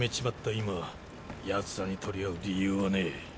今ヤツらに取り合う理由はねえ。